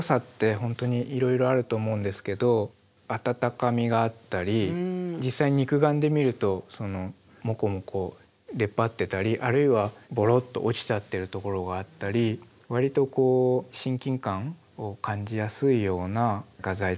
本当にいろいろあると思うんですけど温かみがあったり実際肉眼で見るとモコモコ出っ張ってたりあるいはボロッと落ちちゃってるところがあったり割とこう親近感を感じやすいような画材だなと思っていつもやってます。